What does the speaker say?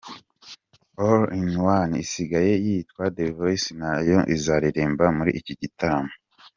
All in One isigaye yitwa The Voice na yo izaririmba muri iki gitaramo.